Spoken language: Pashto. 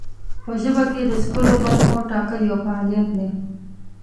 په ژبه کې د څکلو برخو ټاکل یو فعالیت دی.